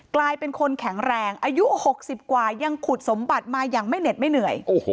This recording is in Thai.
กลายเป็นคนแข็งแรงอายุ๖๐กว่ายังขุดสมบัติมาอย่างไม่เหน็ดไม่เหนื่อย